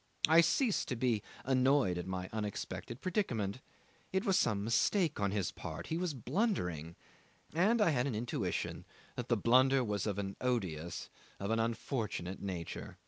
I ceased to be annoyed at my unexpected predicament. It was some mistake on his part; he was blundering, and I had an intuition that the blunder was of an odious, of an unfortunate nature.